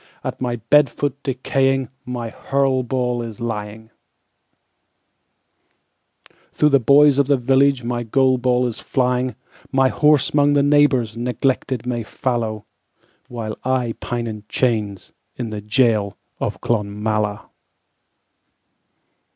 At my bed foot decaying, My hurl ball is lying; Through the boys of the villageMy goal ball is flying; My horse 'mong the neighborsNeglected may fallow, While I pine in my chainsIn the gaol of Clonmala.